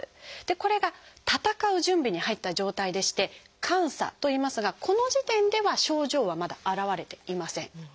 これが闘う準備に入った状態でして「感作」といいますがこの時点では症状はまだ現れていません。